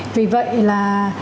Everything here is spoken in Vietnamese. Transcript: vì vậy là